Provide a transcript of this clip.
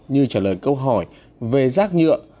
như trả lời câu hỏi về rác nhựa